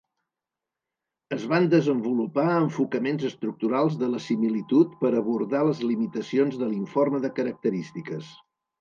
Es van desenvolupar enfocaments estructurals de la similitud per abordar les limitacions de l'informe de característiques.